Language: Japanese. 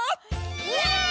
イエイ！